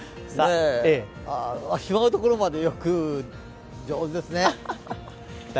しわのところまで、よく上手ですね。